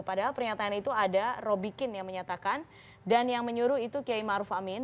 padahal pernyataan itu ada robiqin yang menyatakan dan yang menyuruh itu kiai maruf amin